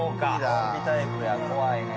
ゾンビタイプや怖いね。